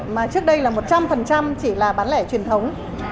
mà trước đây là một trăm linh chỉ là bán lẻ truyền thống